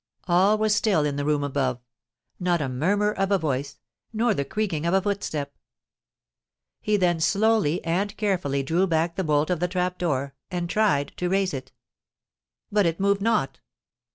All was still in the room above:—not the murmur of a voice—nor the creaking of a footstep! He then slowly and carefully drew back the bolt of the trap door, and tried to raise it. But it moved not!